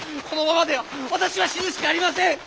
このままでは私は死ぬしかありません！